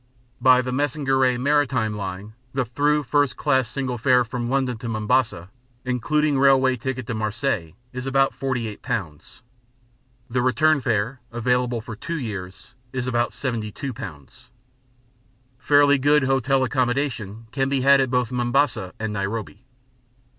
By the Messageries Maritimes Line the through First Class Single fare from London to Mombasa (including railway ticket to Marseilles) is about 48 pounds. The Return fare (available for two years) is about 72 pounds. Fairly good hotel accommodation can be had at both Mombasa and Nairobi.